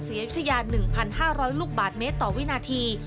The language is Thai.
อายุทยา๑๕๐๐ลูกบาทเมตรต่อวินาที